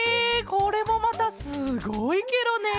これもまたすごいケロね！